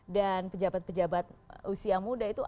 dan pejabat pejabat usia muda itu